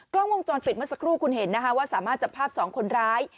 กล้องวงจรปิดเมื่อสักครู่คุณเห็นนะคะว่าสามารถจับภาพ๒คนร้าย